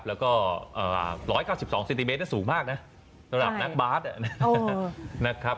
แล้วก็๑๙๒เซนติเมตรสูงมากนะระดับนักบาสนะครับ